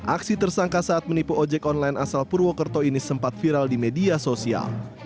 aksi tersangka saat menipu ojek online asal purwokerto ini sempat viral di media sosial